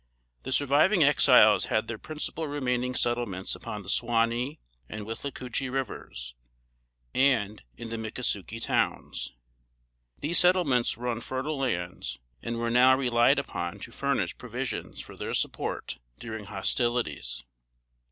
The surviving Exiles had their principal remaining settlements upon the Suwanee and Withlacoochee rivers, and in the Mickasukie towns. These settlements were on fertile lands, and were now relied upon to furnish provisions for their support during hostilities.